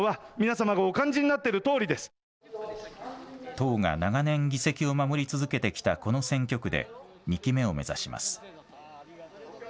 党が長年議席を守り続けてきたこの選挙区で２期目を目指します。